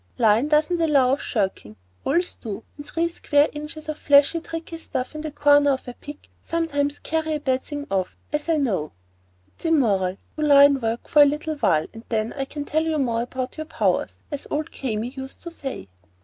Line doesn't allow of shirking. Oils do, and three square inches of flashy, tricky stuff in the corner of a pic sometimes carry a bad thing off,—as I know. That's immoral. Do line work for a little while, and then I can tell more about your powers, as old Kami used to say."